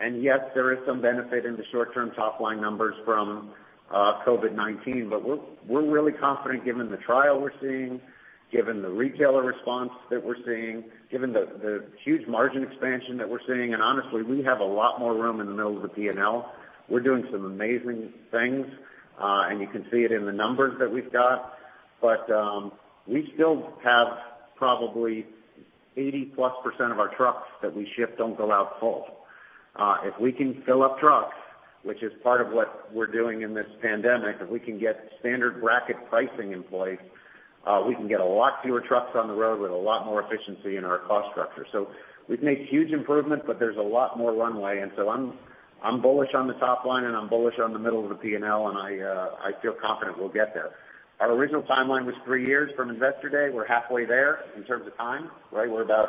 Speaker 3: and yes, there is some benefit in the short-term top-line numbers from COVID-19. We're really confident given the trial we're seeing, given the retailer response that we're seeing, given the huge margin expansion that we're seeing. Honestly, we have a lot more room in the middle of the P&L. We're doing some amazing things, and you can see it in the numbers that we've got. We still have probably 80%+ of our trucks that we ship don't go out full. If we can fill up trucks, which is part of what we're doing in this pandemic, if we can get standard bracket pricing in place, we can get a lot fewer trucks on the road with a lot more efficiency in our cost structure. We've made huge improvements, but there's a lot more runway. I'm bullish on the top line, and I'm bullish on the middle of the P&L, and I feel confident we'll get there. Our original timeline was three years from Investor Day. We're halfway there in terms of time, right? We're about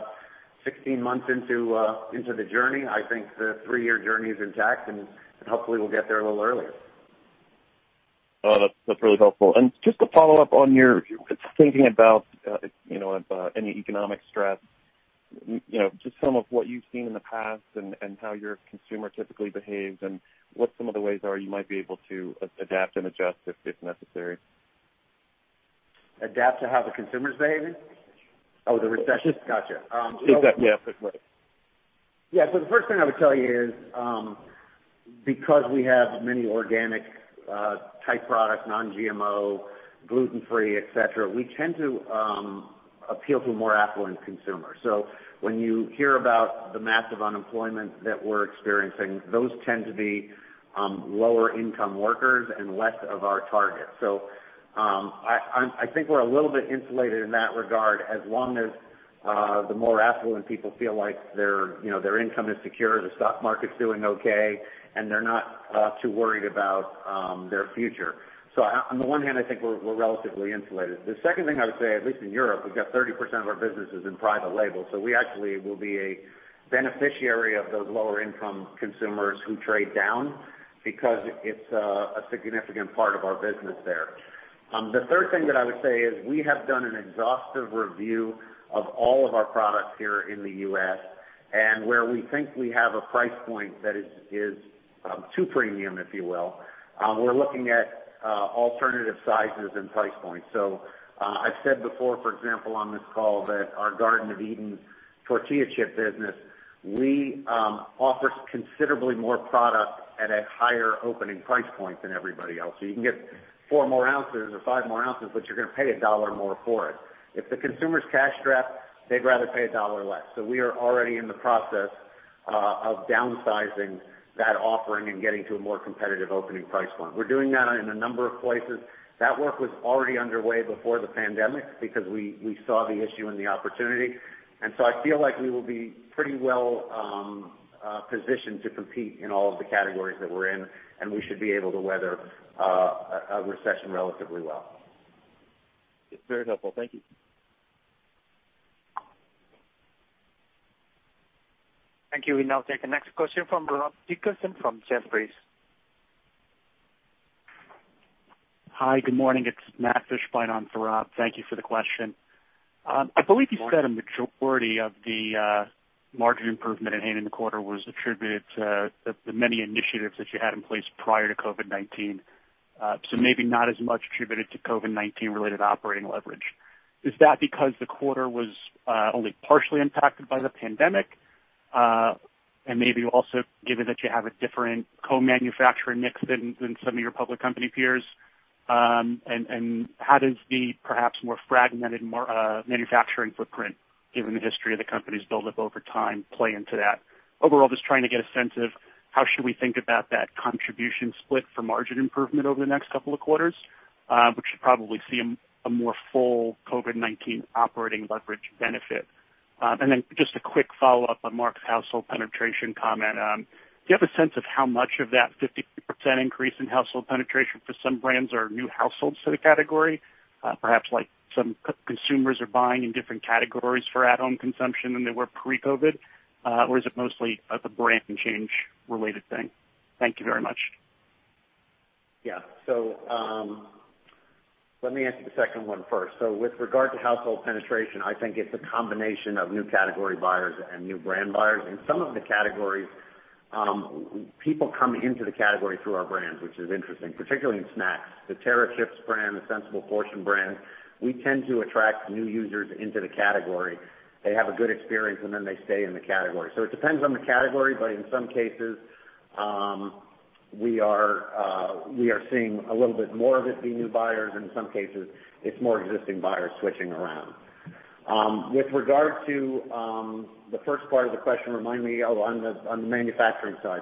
Speaker 3: 16 months into the journey. I think the three-year journey is intact and hopefully we'll get there a little earlier.
Speaker 8: Oh, that's really helpful. Just to follow up on your thinking about any economic stress, just some of what you've seen in the past and how your consumer typically behaves, and what some of the ways are you might be able to adapt and adjust if necessary.
Speaker 3: Adapt to how the consumer's behaving?
Speaker 8: Recession.
Speaker 3: Oh, the recession? Got you.
Speaker 8: Exactly, yeah.
Speaker 3: Yeah. The first thing I would tell you is, because we have many organic-type products, non-GMO, gluten-free, et cetera, we tend to appeal to a more affluent consumer. When you hear about the massive unemployment that we're experiencing, those tend to be lower income workers and less of our target. I think we're a little bit insulated in that regard as long as the more affluent people feel like their income is secure, the stock market's doing okay, and they're not too worried about their future. On the one hand, I think we're relatively insulated. The second thing I would say, at least in Europe, we've got 30% of our businesses in private label, so we actually will be a beneficiary of those lower income consumers who trade down because it's a significant part of our business there. The third thing that I would say is we have done an exhaustive review of all of our products here in the U.S. and where we think we have a price point that is too premium, if you will. We're looking at alternative sizes and price points. I've said before, for example, on this call that our Garden of Eatin' tortilla chip business, we offer considerably more product at a higher opening price point than everybody else. You can get four more ounces or five more ounces, but you're going to pay a dollar more for it. If the consumer's cash strapped, they'd rather pay a dollar less. We are already in the process of downsizing that offering and getting to a more competitive opening price point. We're doing that in a number of places. That work was already underway before the pandemic because we saw the issue and the opportunity. I feel like we will be pretty well positioned to compete in all of the categories that we're in. We should be able to weather a recession relatively well.
Speaker 8: It's very helpful. Thank you.
Speaker 1: Thank you. We now take the next question from Rob Dickerson from Jefferies.
Speaker 9: Hi, good morning. It's Matt Fishbein on for Rob. Thank you for the question. I believe you said a majority of the margin improvement in Hain in the quarter was attributed to the many initiatives that you had in place prior to COVID-19. Maybe not as much attributed to COVID-19 related operating leverage. Is that because the quarter was only partially impacted by the pandemic? Maybe also given that you have a different co-manufacturing mix than some of your public company peers. How does the perhaps more fragmented manufacturing footprint, given the history of the company's build up over time, play into that? Overall, just trying to get a sense of how should we think about that contribution split for margin improvement over the next couple of quarters. We should probably see a more full COVID-19 operating leverage benefit. Just a quick follow-up on Mark's household penetration comment. Do you have a sense of how much of that 53% increase in household penetration for some brands are new households to the category? Perhaps like some consumers are buying in different categories for at-home consumption than they were pre-COVID? Or is it mostly a brand change related thing? Thank you very much.
Speaker 3: Yeah. Let me answer the second one first. With regard to household penetration, I think it's a combination of new category buyers and new brand buyers. In some of the categories, people come into the category through our brands, which is interesting, particularly in snacks. The Terra Chips brand, the Sensible Portions brand, we tend to attract new users into the category. They have a good experience, and then they stay in the category. It depends on the category, but in some cases, we are seeing a little bit more of it be new buyers. In some cases, it's more existing buyers switching around. With regard to the first part of the question, remind me. On the manufacturing side.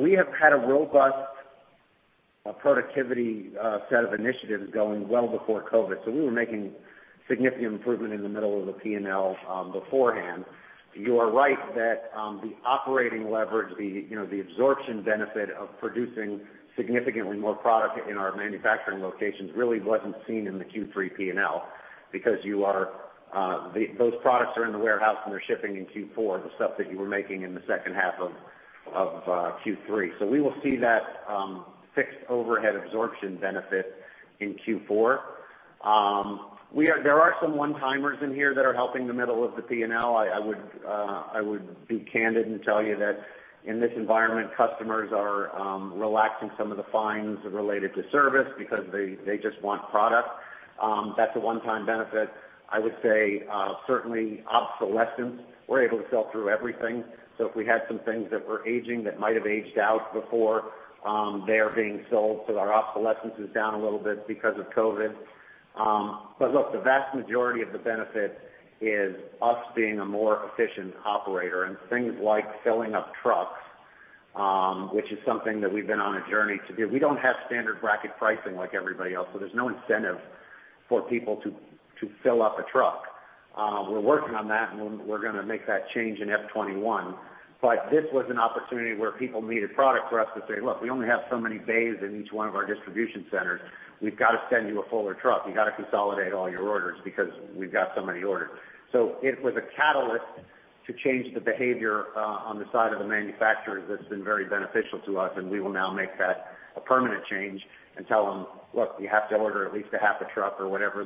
Speaker 3: We have had a robust productivity set of initiatives going well before COVID. We were making significant improvement in the middle of the P&L beforehand. You are right that the operating leverage, the absorption benefit of producing significantly more product in our manufacturing locations really wasn't seen in the Q3 P&L because those products are in the warehouse, and they're shipping in Q4, the stuff that you were making in the second half of Q3. We will see that fixed overhead absorption benefit in Q4. There are some one-timers in here that are helping the middle of the P&L. I would be candid and tell you that in this environment, customers are relaxing some of the fines related to service because they just want product. That's a one-time benefit. I would say, certainly obsolescence, we're able to sell through everything. If we had some things that were aging that might have aged out before, they are being sold. Our obsolescence is down a little bit because of COVID. Look, the vast majority of the benefit is us being a more efficient operator and things like filling up trucks, which is something that we've been on a journey to do. We don't have standard bracket pricing like everybody else, so there's no incentive for people to fill up a truck. We're working on that, and we're going to make that change in FY 2021. This was an opportunity where people needed product for us to say, "Look, we only have so many bays in each one of our distribution centers. We've got to send you a fuller truck. You got to consolidate all your orders because we've got so many orders." It was a catalyst to change the behavior on the side of the manufacturers that's been very beneficial to us, and we will now make that a permanent change and tell them, "Look, you have to order at least a half a truck" or whatever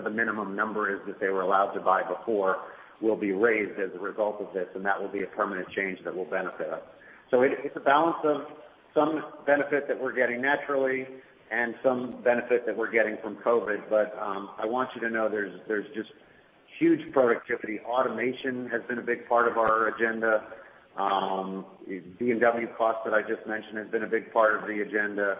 Speaker 3: the minimum number is that they were allowed to buy before will be raised as a result of this, and that will be a permanent change that will benefit us. It's a balance of some benefit that we're getting naturally and some benefit that we're getting from COVID. I want you to know there's just huge productivity. Automation has been a big part of our agenda. D&W costs that I just mentioned have been a big part of the agenda.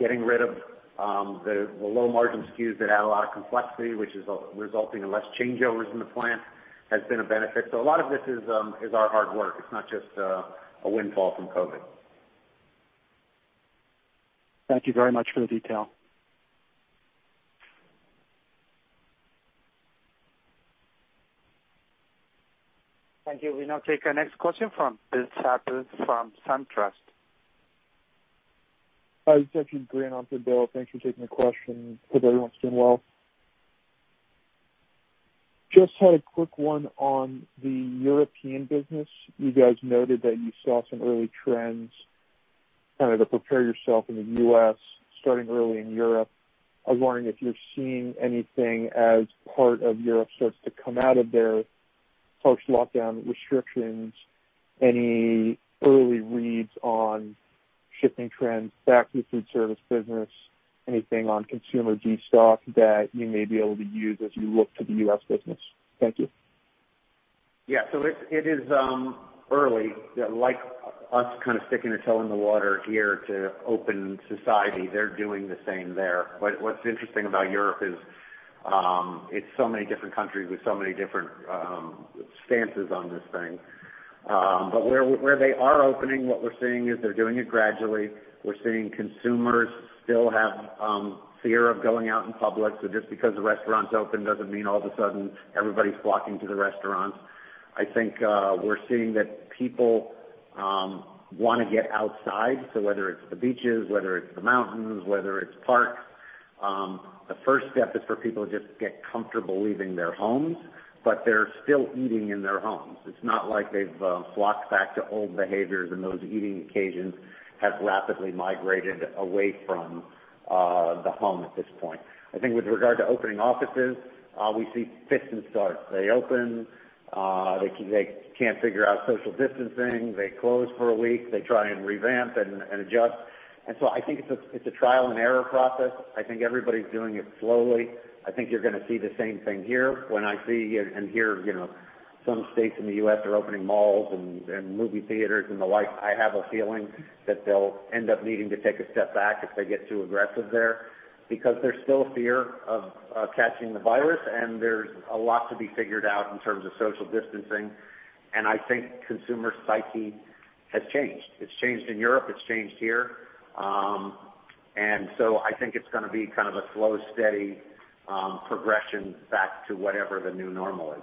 Speaker 3: Getting rid of the low-margin SKUs that add a lot of complexity, which is resulting in less changeovers in the plant, has been a benefit. A lot of this is our hard work. It's not just a windfall from COVID.
Speaker 9: Thank you very much for the detail.
Speaker 1: Thank you. We now take our next question from Bill Satterthwaite from SunTrust.
Speaker 10: Hi, this is actually Grant on for Bill. Thanks for taking the question. Hope everyone's doing well. Just had a quick one on the European business. You guys noted that you saw some early trends to prepare yourself in the U.S., starting early in Europe. I was wondering if you're seeing anything as part of Europe starts to come out of their post-lockdown restrictions, any early reads on shifting trends back to the foodservice business, anything on consumer de-stock that you may be able to use as you look to the U.S. business? Thank you.
Speaker 3: Yeah. It is early. Like us sticking our toe in the water here to open society, they're doing the same there. What's interesting about Europe is it's so many different countries with so many different stances on this thing. Where they are opening, what we're seeing is they're doing it gradually. We're seeing consumers still have fear of going out in public. Just because the restaurant's open doesn't mean all of a sudden everybody's flocking to the restaurants. I think we're seeing that people want to get outside. Whether it's the beaches, whether it's the mountains, whether it's parks, the first step is for people to just get comfortable leaving their homes. They're still eating in their homes. It's not like they've flocked back to old behaviors and those eating occasions have rapidly migrated away from the home at this point. I think with regard to opening offices, we see fits and starts. They open. They can't figure out social distancing. They close for a week. They try and revamp and adjust. I think it's a trial and error process. I think everybody's doing it slowly. I think you're going to see the same thing here. When I see and hear some states in the U.S. are opening malls and movie theaters and the like, I have a feeling that they'll end up needing to take a step back if they get too aggressive there because there's still fear of catching the virus, and there's a lot to be figured out in terms of social distancing. I think consumer psyche has changed. It's changed in Europe. It's changed here. I think it's going to be a slow, steady progression back to whatever the new normal is.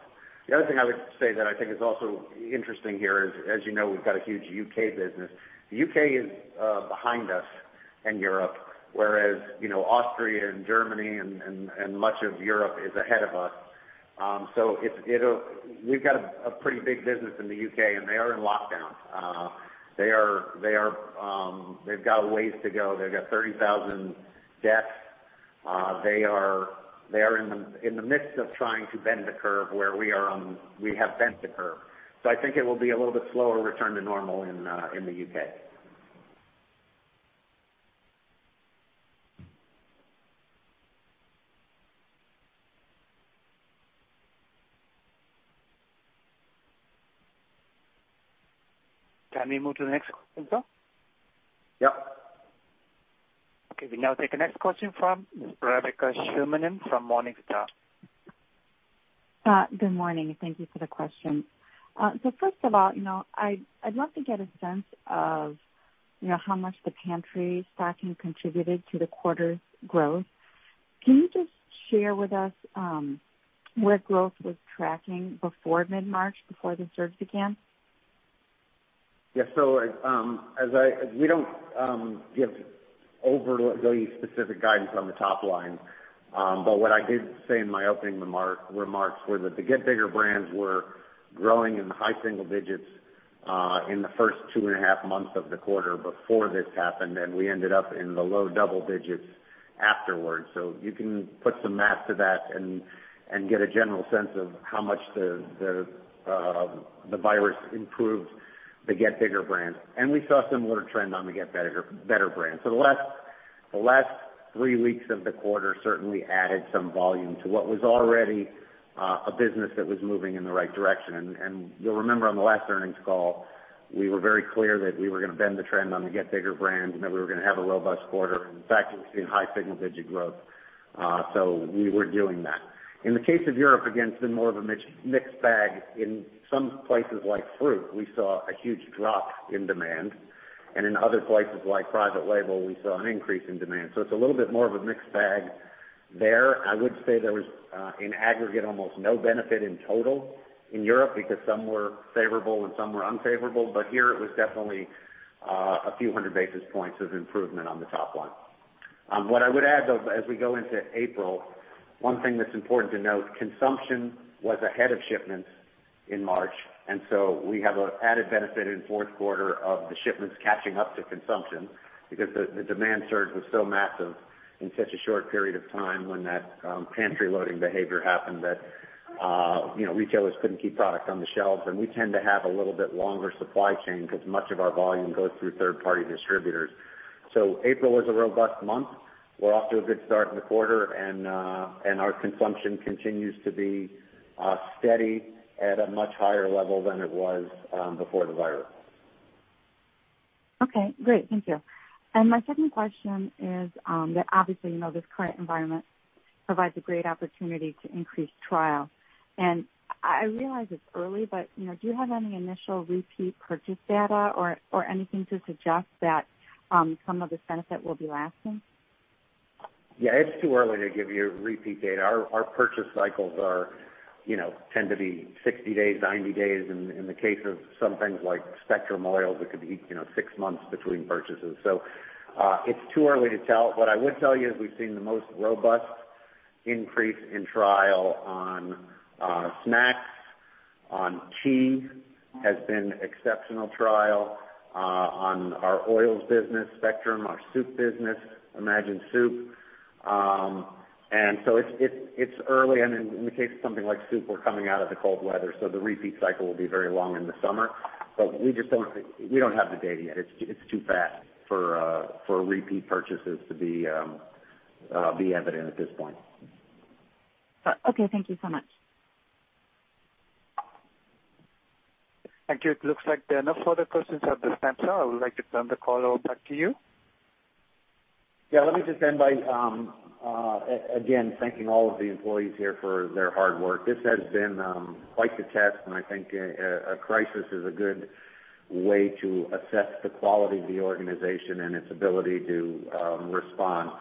Speaker 3: The other thing I would say that I think is also interesting here is, as you know, we've got a huge U.K. business. The U.K. is behind us in Europe, whereas Austria and Germany and much of Europe is ahead of us. We've got a pretty big business in the U.K., and they are in lockdown. They've got a ways to go. They've got 30,000 deaths. They are in the midst of trying to bend the curve where we have bent the curve. I think it will be a little bit slower return to normal in the U.K.
Speaker 1: Can we move to the next question, sir?
Speaker 3: Yeah.
Speaker 1: Okay, we now take the next question from Rebecca Scheuneman from Morningstar.
Speaker 11: Good morning. Thank you for the question. First of all, I'd love to get a sense of how much the pantry stocking contributed to the quarter's growth. Can you just share with us where growth was tracking before mid-March, before the surge began?
Speaker 3: We don't give overly specific guidance on the top line. What I did say in my opening remarks were that the Get Bigger brands were growing in the high single digits, in the first 2.5 Months of the quarter before this happened, and we ended up in the low double digits afterwards. You can put some math to that and get a general sense of how much the virus improved the Get Bigger brands. We saw a similar trend on the Get Better brands. The last three weeks of the quarter certainly added some volume to what was already a business that was moving in the right direction. You'll remember on the last earnings call, we were very clear that we were going to bend the trend on the Get Bigger brands and that we were going to have a robust quarter. In fact, we've seen high single-digit growth. We were doing that. In the case of Europe, again, it's been more of a mixed bag. In some places like fruit, we saw a huge drop in demand. In other places like private label, we saw an increase in demand. It's a little bit more of a mixed bag there. I would say there was, in aggregate, almost no benefit in total in Europe because some were favorable and some were unfavorable. Here it was definitely a few hundred basis points of improvement on the top line. What I would add, though, as we go into April, one thing that's important to note, consumption was ahead of shipments in March, we have an added benefit in the fourth quarter of the shipments catching up to consumption because the demand surge was so massive in such a short period of time when that pantry loading behavior happened that retailers couldn't keep products on the shelves. We tend to have a little bit longer supply chain because much of our volume goes through third-party distributors. April was a robust month. We're off to a good start in the quarter, and our consumption continues to be steady at a much higher level than it was before the virus.
Speaker 11: Okay, great. Thank you. My second question is that obviously, this current environment provides a great opportunity to increase trial. I realize it's early, but do you have any initial repeat purchase data or anything to suggest that some of this benefit will be lasting?
Speaker 3: Yeah, it's too early to give you repeat data. Our purchase cycles tend to be 60 days, 90 days. In the case of some things like Spectrum oils, it could be six months between purchases. It's too early to tell. What I would tell you is we've seen the most robust increase in trial on snacks, on tea, has been exceptional trial, on our oils business, Spectrum, our soup business, Imagine soup. It's early, and in the case of something like soup, we're coming out of the cold weather, the repeat cycle will be very long in the summer. We don't have the data yet. It's too fast for repeat purchases to be evident at this point.
Speaker 11: Okay, thank you so much.
Speaker 1: Thank you. It looks like there are no further questions at this time. Sir, I would like to turn the call over back to you.
Speaker 3: Yeah, let me just end by, again, thanking all of the employees here for their hard work. This has been quite the test, and I think a crisis is a good way to assess the quality of the organization and its ability to respond.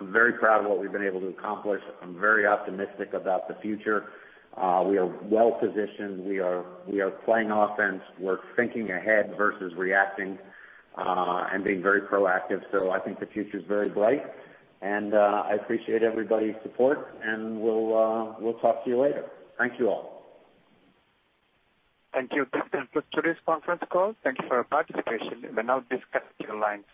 Speaker 3: I'm very proud of what we've been able to accomplish. I'm very optimistic about the future. We are well-positioned. We are playing offense. We're thinking ahead versus reacting, and being very proactive. I think the future's very bright. I appreciate everybody's support, and we'll talk to you later. Thank you, all.
Speaker 1: Thank you. This concludes today's conference call. Thank you for your participation. You may now disconnect your lines.